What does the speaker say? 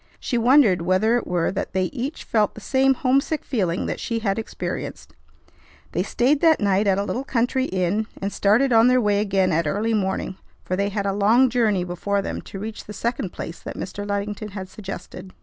She wondered whether it were that they each felt the same homesick feeling that she had experienced. They stayed that night at a little country inn, and started on their way again at early morning, for they had a long journey before them to reach the second place that Mr. Luddington had suggested.